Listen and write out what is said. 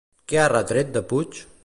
Què ha retret de Puig?